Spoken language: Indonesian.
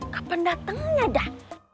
kapan datengnya dah